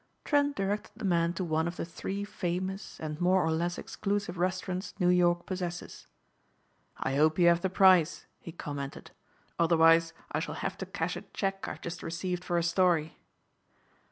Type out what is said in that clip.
Trent directed the man to one of the three famous and more or less exclusive restaurants New York possesses. "I hope you have the price," he commented, "otherwise I shall have to cash a check I've just received for a story."